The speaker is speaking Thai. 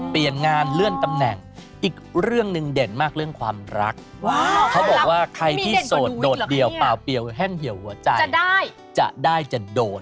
เปลี่ยนงานเลื่อนตำแหน่งอีกเรื่องหนึ่งเด่นมากเรื่องความรักเขาบอกว่าใครที่โสดโดดเดี่ยวเปล่าเปรียวแห้งเหี่ยวหัวใจจะได้จะได้จะโดด